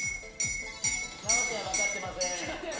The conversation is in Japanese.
奈央ちゃん分かってません。